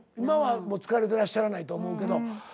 今は疲れてらっしゃらないと思うけど。